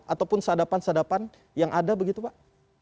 ataupun sadapan sadapan yang ada begitu pak